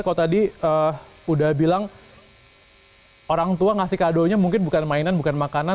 kalau tadi udah bilang orang tua ngasih kadonya mungkin bukan mainan bukan makanan